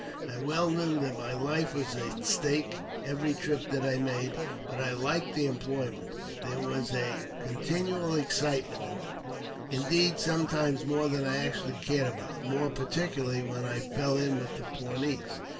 I well knew that my life was at stake every trip that I made, but I liked the employment ; there was continual excitement in it, indeed sometimes more than I actually cared about, more particularly when I fell in with the Pawnees.